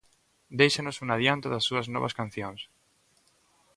Déixanos un adianto das súas novas cancións.